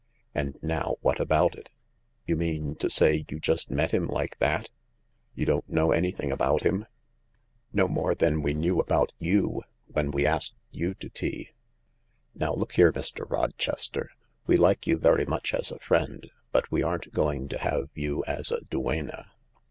And now what about it ?"" You mean to say you just met him like that — you don't know anything about him ?"" No more than we knew about you when we asked you to tea. Now look here, Mr. Rochester, we like you very much as a friend, but we aren't goingto have you as a duenna.